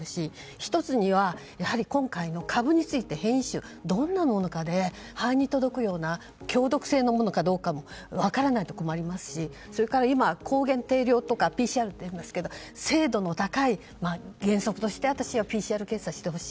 １つにはやはり今回の株について。変異種がどのようなものか肺に届くような強毒性のものかどうかも分からないと困りますしそれから今、抗原定量とかＰＣＲとかいいますが精度の高い原則として私はＰＣＲをしてほしい。